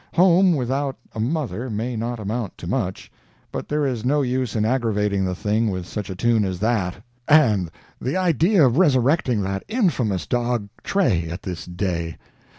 Home without a mother may not amount to much, but there is no use in aggravating the thing with such a tune as that. And the idea of resurrecting that infamous dog Tray at this day.